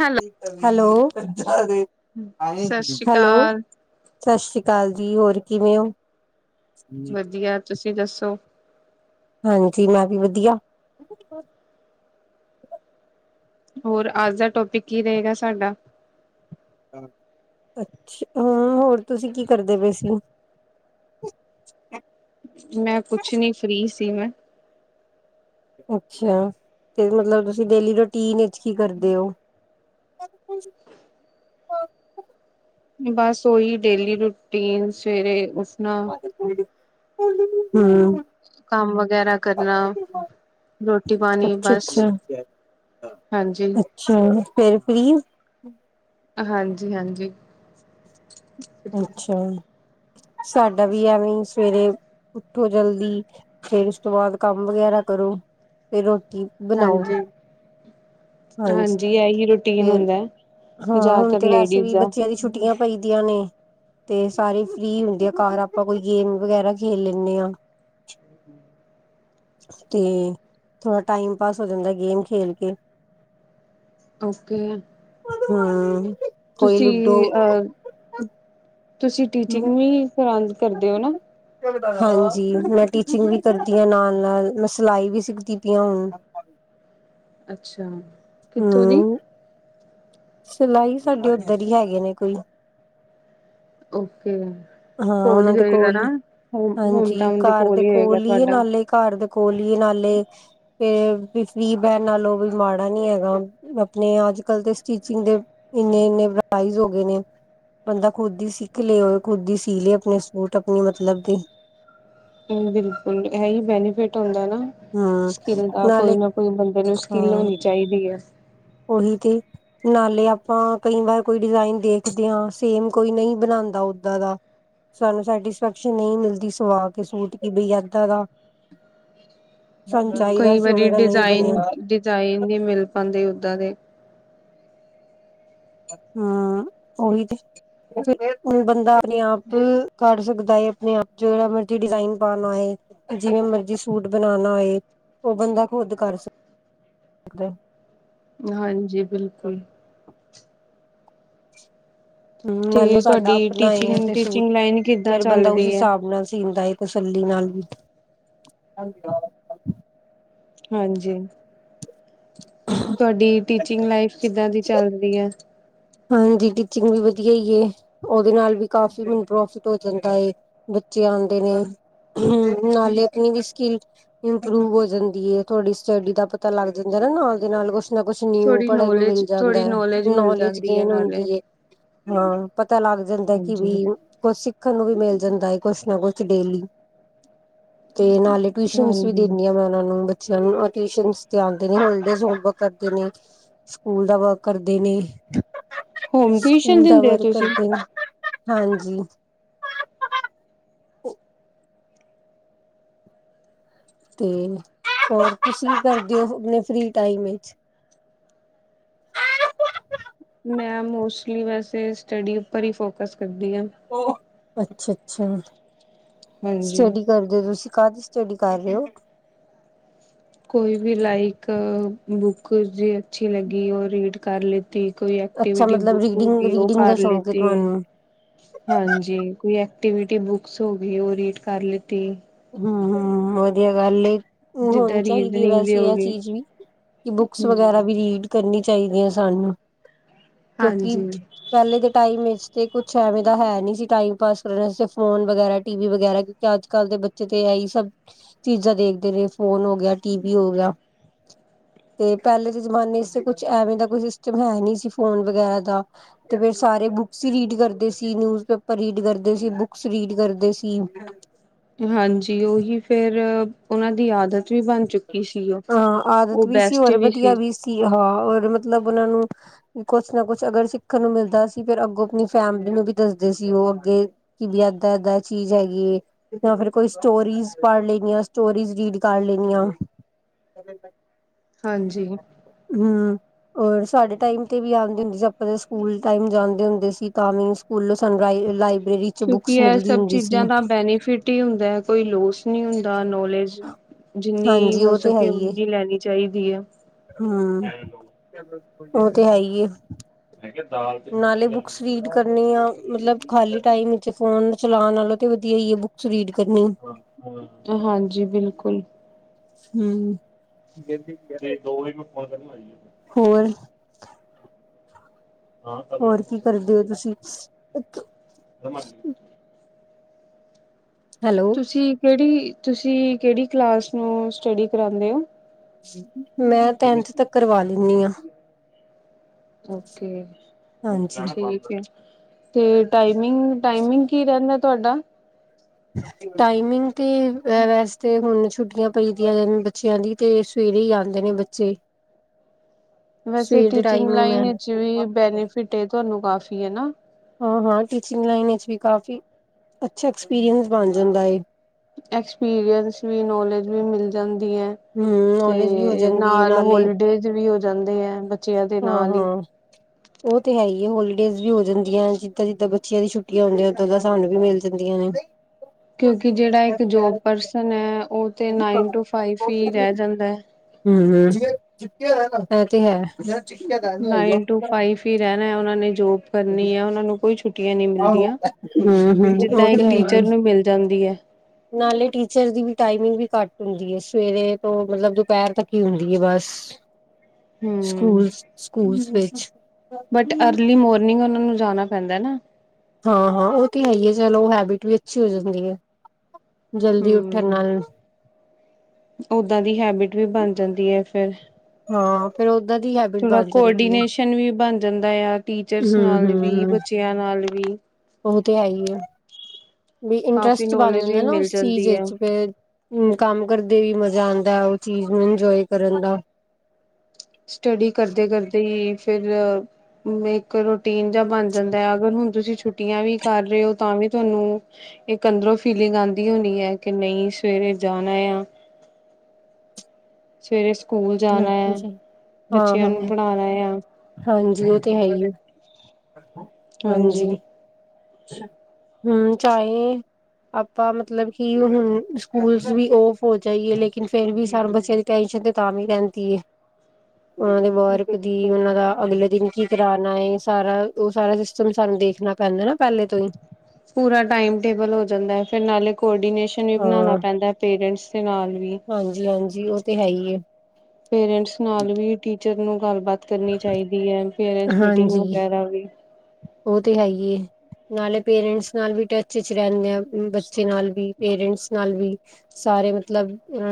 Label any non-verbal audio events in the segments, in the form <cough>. Hello hello ਸਤਿ ਸ਼੍ਰੀ hello? ਅਕਾਲ ਸਤਿ ਸ੍ਰੀ ਅਕਾਲ ਜੀ ਹੋਰ ਕਿਵੇਂ ਹੋ ਵਧੀਆ ਤੁਸੀਂ ਦੱਸੋ? ਹਾਂਜੀ ਮੈਂ ਵੀ ਵਧੀਆ ਹੋਰ ਅੱਜ ਦਾ ਟੋਪਿਕ ਕੀ ਰਹੇਗਾ ਸਾਡਾ ਅੱਛਾ ਹਮ ਹੋਰ ਤੁਸੀਂ ਕੀ ਕਰਦੇ ਪਏ ਸੀ। ਮੈਂ ਕੁਛ ਨੀ ਫ੍ਰੀ ਸੀ ਮੈਂ। ਅੱਛਾ ਤੇ ਮਤਲਬ ਤੁਸੀਂ ਡੇਲੀ ਰੂਟੀਨ ਵਿੱਚ ਕੀ ਕਰਦੇ ਹੋ। <inaudible> ਬਸ ਉਓਹੀ ਡੇਲੀ ਰੂਟੀਨ ਸਵੇਰੇ ਉੱਠਣਾ ਹਮ। ਕੰਮ ਵਗੈਰਾ ਕਰਨਾ ਰੋਟੀ ਪਾਣੀ ਬਸ ਅੱਛਾ-ਅੱਛਾ, ਹਾਂਜੀ। ਤੇ ਪਲੀਜ਼ ਹਾਂਜੀ ਹਾਂਜੀ। ਅੱਛਾ ਸਾਡਾ ਵੀ ਐਵੇਂ ਸਵੇਰੇ ਉੱਠੋ ਜਲਦੀ ਫੇਰ ਉਸ ਤੋਂ ਬਾਅਦ ਕੰਮ ਵਗੈਰਾ ਕਰੋ ਫਿਰ ਰੋਟੀ ਬਣਾਓ। ਹਾਂਜੀ ਹਾਂਜੀ ਇਹੀ ਰੂਟੀਨ ਫਿਰ ਹੁੰਦਾ ਹੈ ਹਾਂ ਹੁਣ ਜ਼ਿਆਦਾਤਰ ਤੇ ਵੈਸੇ ਲੇਡੀਜ਼ ਵੀ ਦਾ ਬੱਚਿਆਂ ਦੀ ਛੁੱਟੀ ਛੁਟੀਆਂ ਪਈ ਦੀਆਂ ਨੇ ਤੇ ਸਾਰੇ ਫ੍ਰੀ ਹੁੰਦੇ ਆ ਘਰ ਆਪਾਂ ਕੋਈ ਗੇਮ ਵਗੈਰਾ ਖੇਲ ਲੈਂਨੇ ਆ ਤੇ ਥੋੜਾ ਟਾਈਮ ਪਾਸ ਹੋ ਜਾਂਦਾ ਗੇਮ ਖੇਲ ਕੇ ਓਕੇ ਹਾਂ ਕੋਈ ਤੁਸੀਂ ਉੁਡੂ ਅ ਤੁਸੀਂ ਟੀਚਿੰਗ ਵੀ ਕਰਦੇ ਹੋ ਨਾ ਹਾਂਜੀ ਮੈਂ ਟੀਚਿੰਗ ਵੀ ਕਰਦੀ ਹਾਂ ਨਾਲ ਨਾਲ ਮੈਂ ਸਿਲਾਈ ਵੀ ਸਿੱਖਦੀ ਪਈ ਹਾਂ ਹੁਣ ਅੱਛਾ ਕਿੱਥੋਂ ਦੀ ਹਮ ਸਿਲਾਈ ਸਾਡੇ ਉੱਧਰ ਹੀ ਹੈਗੇ ਨੇ ਕੋਈ ਓਕੇ ਹਾਂ ਉਹਨਾਂ ਦੇ ਹੋਏਗਾ ਕੋਲ ਹੀ ਨਾ ਹੋਮ ਹੋਮ ਹਾਂਜੀ ਟਾਊਨ ਘਰ ਦੇ ਹੀ ਹੋਏਗਾ ਕੋਲ ਹੀ ਤੁਹਾਡਾ ਨਾਲੇ ਘਰ ਦੇ ਕੋਲ ਹੀ ਨਾਲੇ ਫਰੀ ਬਹਿਣ ਨਾਲੋਂ ਮਾੜਾ ਨੀ ਹੈਗਾ ਆਪਣੇ ਅੱਜ ਕੱਲ ਤੇ ਸਟਿਚਿੰਗ ਦੇ ਇੰਨੇ ਇੰਨੇ ਪ੍ਰਾਈਜ ਹੋ ਗਏ ਨੇ ਬੰਦਾ ਖੁੱਦ ਹੀ ਸਿੱਖ ਲਏ ਓ ਖੁੱਦ ਹੀ ਸੀ ਲਏ ਆਪਣੇ ਸੂਟ ਆਪਣੇ ਮਤਲਬ ਦੇ ਹਮ ਬਿਲਕੁਲ ਇਹੀ ਬੈਨੀਫਿਟ ਹੁੰਦਾ ਨਾ ਹੂੰ ਸਕਿੱਲ ਦਾ ਕੋਈ ਨਾਲੇ ਨਾ ਕੋਈ ਬੰਦੇ ਨੂੰ ਸਕਿੱਲ ਹਾਂ ਹੋਣੀ ਚਾਹੀਦੀ ਹੈ ਉਹੀ ਤੇ ਨਾਲੇ ਆਪਾਂ ਕਈ ਵਾਰ ਕੋਈ ਡਿਜ਼ਾਇਨ ਦੇਖਦੇ ਹਾਂ ਸੇਮ ਕੋਈ ਨਹੀਂ ਬਣਾਉਂਦਾ ਓਦਾਂ ਦਾ ਸਾਨੂੰ ਸੈਟਿਸਫੈਕਸ਼ਨ ਨਹੀਂ ਮਿਲਦੀ ਸਵਾ ਕੇ ਸੂਟ ਕੇ ਬਈ ਇੱਦਾਂ ਦਾ ਸਾਨੂੰ ਚਾਹੀਦਾ ਕਈ ਸੀ ਵਾਰੀ ਉਵੇਂ ਦਾ ਨਹੀਂ ਡਿਜ਼ਾਇਨ ਬਣਿਆ ਡਿਜ਼ਾਇਨ ਨਹੀਂ ਮਿਲ ਪਾਉਂਦੇ ਓਦਾਂ ਦੇ ਹਾਂ ਉਹੀ ਤੇ ਫ ਬੰਦਾ ਆਪਣੇ ਆਪ ਕਰ ਸਕਦਾ ਹੈ ਆਪਣੇ ਆਪ ਚ ਜਿਹੜਾ ਮਰਜੀ ਡਿਜ਼ਾਇਨ ਪਾਣਾ ਹੋਏ ਜਿਵੇਂ ਮਰਜੀ ਸੂਟ ਬਣਾਉਣਾ ਹੋਏ ਉਹ ਬੰਦਾ ਖੁਦ ਕਰ ਸਕੇ ਸਕਦਾ ਏ ਹਾਂਜੀ ਬਿਲਕੁਲ ਹਮ ਨਾਲੇ ਤੇ ਸਾਡਾ ਤੁਹਾਡੀ ਆਪਣਾ ਹੀ ਆ ਟੀਚਿੰਗ ਤੇ ਸੂਟ ਟੀਚਿੰਗ ਲਾਈਨ ਕਿੱਦਾਂ ਫੇਰ ਚੱਲ ਬੰਦਾ ਉਸ ਰਹੀ ਹੈ ਹਿਸਾਬ ਨਾਲ ਸੀਦਾ ਏ ਤਸੱਲੀ ਨਾਲ ਵੀ ਹਾਂਜੀ ਤੁਹਾਡੀ ਟੀਚਿੰਗ ਲਾਈਫ ਕਿੱਦਾਂ ਦੀ ਚੱਲਦੀ ਹੈ ਹਾਂਜੀ ਟੀਚਿੰਗ ਵੀ ਵਧੀਆ ਹੀ ਏ ਉਹਦੇ ਨਾਲ ਵੀ ਕਾਫੀ ਮੈਨੂੰ ਪ੍ਰੋਫਿਟ ਹੋ ਜਾਂਦਾ ਹੈ ਬੱਚੇ ਆਉਂਦੇ ਨੇ ਹ ਨਾਲੇ ਆਪਣੀ ਵੀ ਸਕਿੱਲ ਇੰਪਰੂਵ ਹੋ ਜਾਂਦੀ ਏ ਥੋੜੀ ਸਟੱਡੀ ਦਾ ਪਤਾ ਲੱਗ ਜਾਂਦਾ ਨਾ ਨਾਲ ਦੇ ਨਾਲ ਕੁਛ ਕੁਛ ਨਾ ਕੁਛ ਨਿਊ ਥੋੜੀ ਪੜ੍ਹਨ ਨੂੰ ਨੌਲੇਜ ਮਿਲ ਜਾਂਦਾ ਥੋੜੀ ਹੈ ਨੌਲੇਜ ਮਿਲ ਨੌਲੇਜ ਜਾਂਦੀ ਹੈ ਗੇਨ ਨਾਲੇ ਹੁੰਦੀ ਹੈ ਹਾਂ ਪਤਾ ਲੱਗ ਜਾਂਦਾ ਕਿ ਹਾਂਜੀ ਵੀ ਕੁਛ ਸਿੱਖਣ ਨੂੰ ਵੀ ਮਿਲ ਜਾਂਦਾ ਹੈ ਕੁਛ ਨਾ ਕੁਛ ਡੇਲੀ ਤੇ ਨਾਲੇ ਟਿਊਸ਼ਨਜ ਵੀ ਹਾਂਜੀ ਦਿੰਨੀ ਆ ਮੈਂ ਉਹਨਾਂ ਨੂੰ ਬੱਚਿਆਂ ਨੂੰ ਟਿਊਸ਼ਨਜ ਤੇ ਆਂਦੇ ਨੇ ਹੋਲੀਡੇਜ ਹੋਮਵਰਕ ਕਰਦੇ ਨੇ ਸਕੂਲ ਦਾ ਵਰਕ ਕਰਦੇ ਨੇ ਹੋਮ ਟਿਊਸ਼ਨ ਸਕੂਲ ਦਾ ਦਿੰਦੇ ਹੋ ਵਰਕ ਤੁਸੀਂ ਕਰਦੇ ਨੇ ਹਾਂਜੀ ਤੇ ਹੋਰ ਕੁਛ ਵੀ ਕਰਦੇ ਹੋ ਆਪਣੇ ਫ੍ਰਰੀ ਟਾਈਮ ਵਿੱਚ ਮੈਂ ਮੋਸਟਲੀ ਵੈਸੇ ਸਟੱਡੀ ਉੱਪਰ ਹੀ ਫੋਕਸ ਕਰਦੀ ਹਾਂ ਉਹ ਅੱਛਾ ਅੱਛਾ ਹਾਂਜੀ। ਸਟੱਡੀ ਕਰਦੇ ਹੋ ਤੁਸੀਂ ਕਾਹਦੀ ਸਟੱਡੀ ਕਰ ਰਹੇ ਹੋ ਕੋਈ ਵੀ ਲਾਈਕ ਬੁੱਕ ਜੇ ਅੱਛੀ ਲੱਗੀ ਉਹ ਰੀਡ ਕਰ ਲਈ ਕੋਈ ਅੱਛਾ ਐਕਟੀਵਿਟੀ ਮਤਲਬ ਬੁੱਕ ਹੋ ਰੀਡਿੰਗ ਗਈ ਉਹ ਰੀਡਿੰਗ ਦਾ ਕਰ ਸ਼ੌਂਕ ਹੈ ਲਿਤੀ ਤੁਹਾਨੂੰ ਹਾਂਜੀ ਕੋਈ ਐਕਟੀਵਿਟੀ ਬੁੱਕਸ ਹੋ ਗਈ ਉਹ ਰੀਡ ਕਰ ਲੀਤੀ। ਹੂੰ ਵਧੀਆ ਗੱਲ ਐ। ਹੋਣੀ ਜਿੱਦਾਂ ਚਾਹੀਦੀ ਐ ਰੀਜ਼ਨਿੰਗ ਦੀ ਵੈਸੇ ਹੋ ਇਹ ਗਈ ਚੀਜ਼ ਵੀ ਕਿ ਬੁੱਕਸ ਹੂੰ ਵਗੈਰਾ ਵੀ ਰੀਡ ਕਰਨੀ ਚਾਹੀਦੀ ਐ ਸਾਨੂੰ ਕਿਉਂਕਿ ਹਾਂਜੀ। ਪਹਿਲੇ ਦੇ ਟਾਈਮ ਵਿੱਚ ਤੇ ਕੁਛ ਐਵੇਂ ਤਾਂ ਹੈ ਨੀ ਸੀ ਟਾਈਮ ਪਾਸ ਕਰਨ ਵਸਤੇ ਫ਼ੋਨ ਵਗੈਰਾ ਟੀ ਵੀ ਵਗੈਰਾ। ਅੱਜ ਕਲ ਦੇ ਬੱਚੇ ਤੇ ਇਹੀ ਸਭ ਚੀਜ਼ਾਂ ਦੇਖਦੇ ਨੇ ਫੋਨ ਹੋ ਗਿਆ ਟੀਵੀ ਹੋ ਗਿਆ। ਤੇ ਪਹਿਲੇ ਦੇ ਜਮਾਨੇ ਚ ਕੁਛ ਐਵੇਂ ਦਾ ਕੋਈ ਸਿਸਟਮ ਹੈ ਨੀ ਸੀ ਫੋਨ ਵਗੈਰਾ ਦਾ। ਤੇ ਫੇਰ ਸਾਰੇ ਬੁੱਕਸ ਈ ਰੀਡ ਕਰਦੇ ਸੀ ਨਿਊਜ ਪੇਪਰ ਰੀਡ ਕਰਦੇ ਸੀ ਬੁਕਸ ਰੀਡ ਕਰਦੇ ਸੀ। ਹਾਂਜੀ ਉਹੀ ਫੇਰ ਉਹਨਾਂ ਦੀ ਆਦਤ ਵੀ ਬਣ ਚੁੱਕੀ ਕੀ ਸੀਓ ਹਾਂ ਆਦਤ ਵੀ ਸੀ ਔਰ ਵਧੀਆ ਵੀ ਸੀ ਹਾਂ ਔਰ ਮਤਲਬ ਉਹਨਾਂ ਨੂੰ ਵੀ ਕੁਛ ਨਾ ਕੁਛ ਅਗਰ ਸਿੱਖਣ ਨੂੰ ਮਿਲਦਾ ਸੀ ਫਿਰ ਅੱਗੋਂ ਆਪਣੀ ਫੈਮਿਲੀ ਨੂੰ ਵੀ ਦੱਸਦੇ ਸੀ ਉਹ ਅੱਗੇ ਕਿ ਵੀ ਅੱਧਾ ਅੱਧਾਂ ਚੀਜ਼ ਹੈਗੀ ਐ। ਜਾਂ ਫਿਰ ਕੋਈ ਸਟੋਰੀਜ਼ ਪੜ ਲੈਨੀ ਆ ਸਟੋਰੀਜ਼ ਰੀਡ ਕਰ ਲੈਨੀ ਆ। <inaudible> ਹਾਂਜੀ, ਹੂੰ, ਆ ਸਾਡੇ ਟਾਈਮ ਤੇ ਵੀ ਆਉਂਦੀ ਹੁੰਦੀ ਸੀ ਆਪਾਂ ਤਾਂ ਸਕੂਲ ਟਾਈਮ ਜਾਂਦੇ ਹੁੰਦੇ ਸੀ ਤਾਂ ਵੀ ਸਕੂਲ ਸਨਰਾਈ ਲਾਈਵ ਕਿਉਂਕਿ ਇਹ ਸਭ ਚੀਜ਼ਾਂ ਦਾ ਬੈਨੀਫਿਟ ਈ ਹੁੰਦਾ ਐ ਕੋਈ ਲੋਸ ਨੀ ਹੁੰਦਾ ਨੌਲੇਜ ਜਿੰਨੀ ਹਾਂਜੀ ਹੋ ਉਹ ਸਕ ਤੇ ਹੈ ਕਿ ਹੀ ਉਨੀ ਲੈਣੀ ਚਾਹੀਦੀ ਐ। ਹਮ ਉਹ ਤੇ ਹੈ ਹੀ ਏ। ਮੈ ਕਿਆ ਦਾਲ ਨਾਲੇ ਬੁੱਕਸ ਰੀਡ ਕਰਨੀ ਆ ਮਤਲਬ ਖਾਲੀ ਟਾਈਮ ਵਿੱਚ ਫੋਨ ਚਲਾਉਣ ਨਾਲੋ ਤੇ ਵਧੀਆ ਈ ਐ ਬੁੱਕਸ ਰੀਡ ਕਰਨੀ। ਹਾਂਜੀ ਬਿਲਕੁਲ ਹੂੰ, ਤੇ ਦੋ ਵਜੇ ਮੈਂ ਫੋਨ ਹੋਰ? ਹੋਰ ਕੀ ਕਰਦੇ ਹੋ ਤੁਸੀਂ? <inaudible> ਹੈਲੋ, ਤੁਸੀਂ ਕਿਹੜੀ ਤੁਸੀਂ ਕਿਹੜੀ ਕਲਾਸ ਨੂੰ ਸਟੱਡੀ ਕਰਾਦੇ ਔ? ਮੈਂ ਟੈਂਨਥ ਤੱਕ ਕਰਵਾ ਲੈਂਨੀ ਆ। ਓਕੇ ਹਾਂਜੀ ਠੀਕ ਏ। ਤੇ ਟਾਇਮਿੰਗ ਟਾਈਮਿੰਗ ਕੀ ਰਹਿੰਦਾ ਤੁਹਾਡਾ? ਟਾਈਮਿੰਗ ਤੇ ਵੈਸੇ ਤੇ ਹੁਣ ਛੁੱਟੀਆਂ ਪਈ ਦੀਆਂ ਬੱਚਿਆਂ ਦੀ। ਤੇ ਸਵੇਰੇ ਈ ਆਦੇ ਨੇ ਬੱਚੇ ਵੈਸੇ ਸਵੇਰ ਦੇ ਟੀਚਿੰਗ ਟਾਈਮ ਹੀ ਮੈਂ ਲਾਈਨ ਚ ਵੀ ਬੈਨੀਫਿਟ ਇਹ ਤੁਹਾਨੂੰ ਕਾਫੀ ਐ ਨਾ ਹਾਂ ਹਾਂ ਟੀਚਿੰਗ ਲਾਈਨ ਵਿੱਚ ਵੀ ਕਾਫ਼ੀ, ਅੱਛਾ ਐਕਸਪੀਰੀਅੰਸ ਬਣ ਜਾਂਦਾ ਐ। ਐਕਸਪੀਰੀਐੰਸ ਵੀ ਨੌਲੇਜ ਵੀ ਮਿਲ ਜਾਂਦੀ ਐ। ਹਮ ਨੌਲੇਜ ਵੀ ਹੋ ਤੇ ਜਾਂਦੀ ਹੈ ਨਾਲ ਨਾਲੇ ਹੋਲੀਡੇਜ ਵੀ ਹੋ ਜਾਂਦੇ ਐ ਬੱ ਹਾਂ ਹਾਂ, ਉਹ ਤੇ ਹੈ ਈ ਐ ਹੋਲੀਡੇਜ ਵੀ ਹੋ ਜਾਂਦੀਆਂ ਜਿੱਦਾਂ ਜਿੱਦਾਂ ਬੱਚਿਆਂ ਦੀ ਛੁੱਟੀਆਂ ਹੁੰਦੀਆਂ ਉਦਾਂ ਸਾਨੂੰ ਵੀ ਮਿਲ ਜਾਂਦੀਆਂ ਨੇ। ਕਿਉਂਕਿ ਜਿਹੜਾ ਇੱਕ ਜੋਬ ਪਰਸਨ ਐ ਉਹ ਤਾਂ ਨਾਈਨ ਟੂ ਫਾਈਵ ਈ ਰਹਿ ਜਾਂਦਾ। ਹੂੰ, ਐ ਤੇ ਹੈ। ਵੀ ਰਹਿਣਾ ਹੈ ਉਹਨਾਂ ਨੇ ਜੋਬ ਕਰਨੀ ਹੈ ਉਹਨਾ ਨੂੰ ਕੋਈ ਛੁੱਟ ਛੁਟੀਆਂ ਨਹੀਂ ਮਿਲਦੀਆਂ ਉਹ ਜਿੱਦਾਂ ਤੇ ਇੱਕ ਹੈ ਹੀ ਹੈ। ਟੀਚਰ ਨੂੰ ਮਿਲ ਜਾਂਦੀ ਐ। ਨਾਲੇ ਟੀਚਰ ਦੀ ਵੀ ਟਾਈਮਿੰਗ ਵੀ ਘੱਟ ਹੁੰਦੀ ਹੈ ਸਵੇਰੇ ਤੋਂ ਮਤਲਬ ਦੁਪਹਿਰ ਤੱਕ ਹੀ ਹੁੰਦੀ ਹੈ ਬਸ <inaudible> ਹਮ। ਸਕੂਲ ਸਕੂਲਸ ਵਿਚ ਬਟ ਅਰਲੀ ਮੋਰਨਿੰਗ ਉਹਨਾਂ ਨੂੰ ਜਾਣਾ ਪੈਂਦਾ ਨਾ ਹਾਂ ਹਾਂ ਉਹ ਤੇ ਹੈ ਹੀ ਹੈ ਚਲੋ ਹੈਬਿਟ ਵੀ ਅੱਛੀ ਹੋ ਜਾਂਦੀ ਹੈ ਜਲਦੀ ਉੱਠਣ ਨਾਲ ਉਦਾਂ ਦੀ ਹੈਬਿਟ ਵੀ ਬਣ ਜਾਂਦੀ ਹੈ ਫਿਰ ਹਾਂ ਫੇਰ ਓਦਾਂ ਦੀ ਹੈਬਿਟ ਥੋੜਾ ਬਣ ਜਾਂਦੀ ਹੈ ਕੋਆਰਡੀਨੇਸ਼ਨ ਵੀ ਬਣ ਜਾਂਦਾ ਆ ਟੀਚਰਸ ਹੂੰ ਨਾਲ ਵੀ ਹੂੰ ਬੱਚਿਆਂ ਨਾਲ ਵੀ ਉਹ ਤੇ ਹੈ ਹੀ ਆ ਵੀ ਕਾਫ਼ੀ ਇੰਟਰਸਟ ਬਣ ਨੌਲੇਜ ਜਾਂਦਾ ਵੀ ਨਾ ਮਿਲ ਉਸ ਚੀਜ਼ ਜਾਂਦੀ ਹੈ ਵਿੱਚ ਫਿਰ ਹੂੰ ਕੰਮ ਕਰਦੇ ਵੀ ਮਜ਼ਾ ਆਉਂਦਾ ਹੈ ਉਹ ਚੀਜ਼ ਨੂੰ ਇੰਜੋਏ ਕਰਨ ਦਾ ਸਟੱਡੀ ਕਰਦੇ ਕਰਦੇ ਹੀ ਫਿਰ ਮੈਂ ਰੂਟੀਨ ਜਾਂ ਬਣ ਜਾਂਦਾ ਹੈ ਅਗਰ ਹੁਣ ਤੁਸੀਂ ਛੁੱਟੀਆਂ ਵੀ ਕਰ ਰਹੇ ਹੋ ਤਾਂ ਵੀ ਤੁਹਾਨੂੰ ਇੱਕ ਅੰਦਰੋਂ ਫੀਲਿੰਗ ਆਉਂਦੀ ਹੋਣੀ ਹੈ ਕਿ ਨਹੀਂ ਸਵੇਰੇ ਜਾਣਾ ਆ ਸਵੇਰੇ ਸਕੂਲ ਜਾਣਾ ਆ ਬੱਚਿਆਂ ਨੂੰ ਹਾਂ-ਹਾਂ ਪੜ੍ਹਾਉਣਾ ਆ ਹਾਂਜੀ ਉਹ ਤੇ ਹੈ ਹੀ ਆ ਹਾਂਜੀ ਹੂੰ ਚਾਹੇ ਆਪਾਂ ਮਤਲਬ ਕਿ ਹੁਣ ਸਕੂਲ ਵੀ ਓਫ ਹੋ ਜਾਈਏ ਲੇਕਿਨ ਫਿਰ ਵੀ ਸਾਨੂੰ ਬੱਚਿਆਂ ਦੀ ਟੈਂਸ਼ਨ ਤੇ ਤਾਂ ਵੀ ਰਹਿੰਦੀ ਹੈ। ਉਨਾਂ ਦੀ <unintelligible> ਬਿਲਕੁਲ ਉਨਾਂ ਦਾ ਅਗਲੇ ਦਿਨ ਕੀ ਕਰਾਣਾ ਸਾਰਾ ਉਹ ਸਾਰਾ ਸਿਸਟਮ ਸਾਨੂੰ ਦੇਖਣਾ ਪੈਂਦਾ ਨਾ ਪਹਿਲੇ ਤੋਂ ਪੂਰਾ ਟਾਈਮ ਟੇਬਲ ਹੋ ਜਾਂਦਾ ਹੈ ਫਿਰ ਨਾਲੇ ਕੋਰਡੀਨੇਸ਼ਨ ਵੀ ਬਣਾਉਣਾ ਪੈਂਦਾ ਪੇਰੈਂਟਸ ਦੇ ਨਾਲ ਵੀ ਹਾਂਜੀ ਹਾਂਜੀ ਉਹ ਤੇ ਹੈ ਹੀ ਪੇਰੈਂਟਸ ਨਾਲ ਵੀ ਟੀਚਰ ਨੂੰ ਗੱਲਬਾਤ ਕਰਨੀ ਚਾਹੀਦੀ ਹੈ। ਪੇਰੈਂਟਸ ਮੀਟਿੰਗ ਹਾਂਜੀ ਵਗੈਰਾ ਵੀ ਉਹ ਤੇ ਹੈ ਹੀ ਨਾਲੇ ਪੇਰੈਂਟਸ ਨਾਲ ਵੀ ਟੱਚ ਚ ਰਹਿੰਦੇ ਆ ਬੱਚੇ ਨਾਲ ਵੀ ਪੇਰੈਂਟਸ ਨਾਲ ਵੀ ਸਾਰੇ ਮਤਲਬ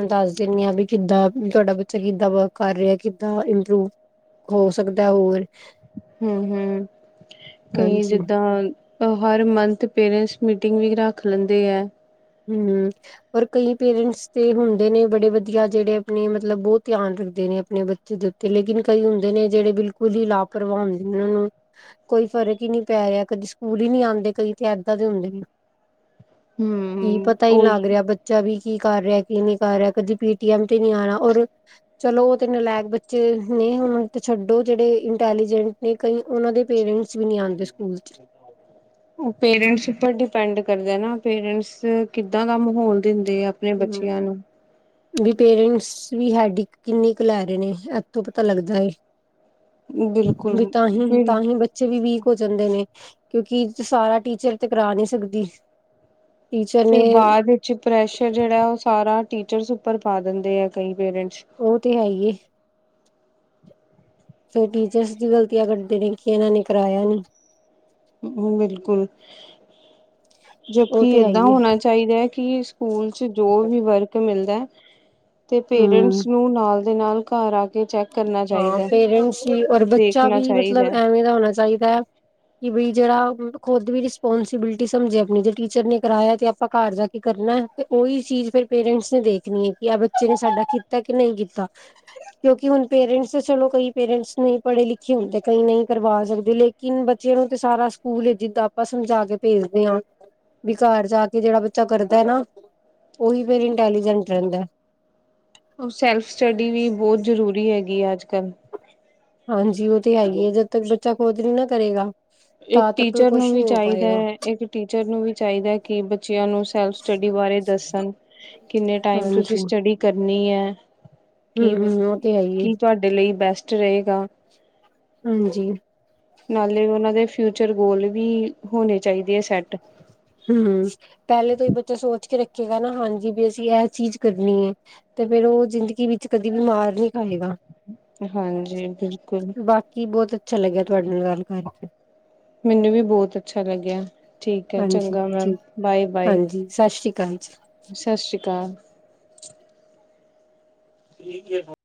ਦੱਸ ਦਿੰਦੀ ਹਾਂ ਵੀ ਕਿੱਦਾਂ ਤੁਹਾਡਾ ਬੱਚਾ ਕਿੱਦਾਂ ਵਰਕ ਕਰ ਰਿਹਾ ਆ ਕਿ ਤਾਂ ਇੰਪਰੂਵ ਹੋ ਸਕਦਾ ਹੋਰ ਹੂੰ ਹੂੰ ਕਈ ਹਾਂਜੀ ਜਿੱਦਾਂ ਹਰ ਮੰਥ ਪੇਰੈਂਟਸ ਮੀਟਿੰਗ ਵੀ ਰੱਖ ਲੈਂਦੇ ਹੈ। ਹੂੰ,,, ਪਰ ਕਈ ਪੇਰੈਂਟਸ ਤੇ ਹੁੰਦੇ ਨੇ ਬੜੇ ਵਧੀਆ ਜਿਹੜੇ ਆਪਣੇ ਮਤਲਬ ਬਹੁਤ ਧਿਆਨ ਦਿੰਦੇ ਨੇ ਆਪਣੇ ਬੱਚੇ ਦੇ ਤੇ ਲੇਕਿਨ ਕਈ ਹੁੰਦੇ ਨੇ ਜਿਹੜੇ ਬਿਲਕੁਲ ਹੀ ਲਾਪਰਵਾਹ <unintelligible> ਕੋਈ ਫਰਕ ਹੀ ਨਹੀਂ ਪੈ ਰਿਹਾ ਕਦੀ ਸਕੂਲ ਹੀ ਨਹੀਂ ਆਉਂਦੇ ਕਈ ਇੱਦਾਂ ਦੇ ਹੁੰਦੇ ਨੀ ਕੀ ਹੂੰ ਪਤਾ ਹੀ ਲੱਗ ਉਹੀ ਰਿਹਾ ਬੱਚਾ ਵੀ ਕੀ ਕਰ ਰਿਹਾ ਕੀ ਨਹੀਂ ਕਰ ਰਿਹਾ ਕਦੇ ਪੇਟੀਐਮ ਤੇ ਨਹੀਂ ਆਉਣਾ ਔਰ ਚਲੋ ਉਹ ਤੇ ਨਲਾਇਕ ਬੱਚੇ ਨੇ ਹੁਣ ਤੇ ਛੱਡੋ ਜਿਹੜੇ ਇੰਟੈਲੀਜੈਂਟ ਨਿਕਲ ਉਹਨਾਂ ਦੇ ਪੇਰੈਂਟਸ ਵੀ ਨਹੀਂ ਆਉਂਦੇ ਸਕੂਲ ਚ ਉਹ ਪੇਰੈਂਟਸ ਉੱਪਰ ਡਿਪੈਂਡ ਕਰਦੇ ਨਾ ਪੇਰੈਂਟਸ ਕਿੱਦਾਂ ਦਾ ਮਾਹੌਲ ਦਿੰਦੇ ਆ ਆਪਣੇ ਹੂੰ,,, ਬੱਚਿਆਂ ਨੂੰ ਵੀ ਪੇਰੈਂਟਸ ਵੀ ਹੈਡ ਕਿੰਨੀ ਕੀ ਲੈ ਰਹੇ ਨੇ ਦੁੱਖ ਤਾਂ ਲੱਗਦਾ ਐ ਵੀ ਬਿਲਕੁਲ ਤਾਂਹੀ ਫਿਰ ਤਾਂਹੀ ਬੱਚੇ ਵੀ ਵੀਕ ਹੋ ਜਾਂਦੇ ਨੇ ਕਿਉਂਕਿ ਸਾਰਾ ਟੀਚਰ ਤੇ ਕਰਾ ਨੀ ਸਕਦੀ। ਟੀਚਰ ਨੇ ਫਿਰ ਬਾਅਦ ਵਿੱਚ ਪ੍ਰੈਸ਼ਰ ਜਿਹੜਾ ਉਹ ਸਾਰਾ ਟੀਚਰਸ ਉੱਪਰ ਪਾ ਦਿੰਦੇ ਆ ਕਈ ਪੇਰੈਂਟਸ, ਉਹ ਤੇ ਹੈ। ਫਿਰ ਟੀਚਰਸ ਦੀ ਗਲਤੀਆਂ ਕਰਦੇ ਨੇ ਕਿ ਇਹਨਾਂ ਨੇ ਕਰਾਇਆ ਨੀ। ਬਿਲਕੁਲ ਜੋ ਕਿ ਉਹ ਤੇ ਹੈ ਏਦਾਂ ਹੀ ਏ। ਹੋਣਾ ਚਾਹੀਦਾ ਕੀ, ਸਕੂਲ ਚ ਜੋ ਵੀ ਵਰਕ ਮਿਲਦਾ ਤੇ ਹਮ ਪੇਰੈਂਟਸ ਨੂੰ ਨਾਲ ਨਾਲ ਘਰ ਆ ਕੇ ਚੈੱਕ ਕਰਨਾ ਹਾਂ, ਚਾਹੀਦਾ। ਪੇਰੈਂਟਸ ਵੀ ਔਰ ਬੱਚਾ ਦੇਖਣਾ ਵੀ ਚਾਹੀਦਾ ਮਤਲਬ ਹੈ। ਐਵੇਂ ਦਾ ਹੋਣਾ ਚਾਹੀਦਾ। ਕਿ ਬਈ ਜਿਹੜਾ ਖੁਦ ਵੀ ਰਿਸਪੋਂਸੀਬਿਲਿਟੀ ਸਮਝੇ ਆਪਣੀ ਜੇ ਟੀਚਰ ਨੇ ਕਰਾਇਆ ਤੇ ਆਪਾਂ ਘਰ ਜਾ ਕੇ ਕਰਨਾ। ਤੇ ਉਹੀ ਚੀਜ਼ ਫਿਰ ਪੇਰੈਂਟਸ ਨੇ ਦੇਖਣੀ ਐ ਕਿ ਆ ਬੱਚੇ ਨੇ ਸਾਡਾ ਕੀਤਾ ਕਿ ਨੀ ਕੀਤਾ। ਕਿਉਂਕਿ ਹੁਣ ਪੇਰੈਂਟਸ ਚਲੋ ਕਈ ਪੇਰੈਂਟਸ ਨਈ ਪੜ੍ਹੇ ਲਿਖੇ ਹੁੰਦੇ ਕਈ ਨੀ ਕਰਵਾ ਸਕਦੇ ਲੇਕਿਨ ਬੱਚਿਆਂ ਨੂੰ ਤਾਂ ਸਾਰਾ ਸਕੂਲ ਜਿੱਦਾਂ ਆਪਾਂ ਸਮਝਾ ਕੇ ਭੇਜਦੇ ਆ ਵੀ ਘਰ ਜਾ ਕੇ ਜਿਹੜਾ ਬੱਚਾ ਕਰਦਾ ਨਾ। ਉਹੀ ਫੇਰ ਇੰਟੈਲੀਜੈਂਟ ਰਹਿੰਦਾ। ਓ ਸੈਲਫ ਸਟੱਡੀ ਵੀ ਬਹੁਤ ਜ਼ਰੂਰੀ ਹੈਗੀ ਆ ਅੱਜ ਕੱਲ੍ਹ। ਹਾਂਜੀ, ਓ ਤੇ ਹੈਗੀ ਐ ਜਦ ਤੱਕ ਬੱਚਾ ਖੁਦ ਨੀ ਨਾ ਕਰੇਗਾ। ਇੱਕ ਤਾਂ ਤੱਕ ਟੀਚਰ ਨੂੰ ਕੁਛ ਵੀ ਨੀ ਹੋ ਚਾਹੀਦਾ ਪਾਏਗਾ ਇੱਕ ਟੀਚਰ ਨੂੰ ਵੀ ਚਾਹੀਦਾ ਕਿ ਬੱਚਿਆਂ ਨੂੰ ਸੈਲਫ ਸਟੱਡੀ ਬਾਰੇ ਦੱਸਣ ਕਿੰਨੇ ਟਾਈਮ ਤੁਸੀਂ ਹਾਂਜੀ ਸਟੱਡੀ ਕਰਨੀ ਐ। ਕੀ ਹੂੰ-ਹੂੰ ਉਹ ਤੇ ਹੈ ਹੀ ਏ ਕੀ ਤੁਹਾਡੇ ਲਈ ਬੈਸਟ ਰਹੇਗਾ। ਹਾਂਜੀ। ਨਾਲੇ ਉਹਨਾਂ ਦੇ ਫਿਊਚਰ ਗੋਲ ਵੀ ਹੋਣੇ ਚਾਹੀਦੇ ਆ ਸੈਟ। ਹੂੰ, ਪਹਿਲੇ ਤੋਂ ਹੀ ਬੱਚਾ ਸੋਚ ਕੇ ਰੱਖੇਗਾ ਨਾ ਹਾਂਜੀ ਵੀ ਅਸੀਂ ਐਹ ਚੀਜ਼ ਕਰਨੀ ਐ। ਤੇ ਫੇਰ ਉਹ ਜ਼ਿੰਦਗੀ ਵਿੱਚ ਕਦੀ ਵੀ ਮਾਰ ਨੀ ਖਾਏਗਾ। ਹਾਂਜੀ ਬਿਲਕੁਲ ਬਾਕੀ ਬੋਤ ਅੱਛਾ ਲੱਗਿਆ ਤੁਹਾਡੇ ਨਾਲ ਗੱਲ ਕਰਕੇ। ਮੈਨੂੰ ਵੀ ਬੋਤ ਅੱਛਾ ਲੱਗਿਆ ਠੀਕ ਐ ਹਾਂਜੀ ਚੰਗਾ। ਠੀਕ <unintelligible> ਬਾਏ ਬਾਏ ਹਾਂਜੀ ਸਤਿ ਸ੍ਰੀ ਅਕਾਲ ਜੀ ਸਤਿ ਸ੍ਰੀ ਅਕਾਲ ਠੀਕ <unintelligible>